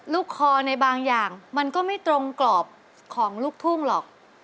คอในบางอย่างมันก็ไม่ตรงกรอบของลูกทุ่งหรอก